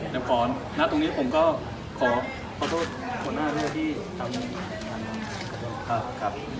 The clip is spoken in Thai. เดี๋ยวก่อนนะตรงนี้ผมก็ขอโทษหัวหน้าเรื่องที่ทำงานขอโทษครับ